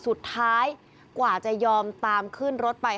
สุดท้ายกว่าจะยอมตามขึ้นรถไป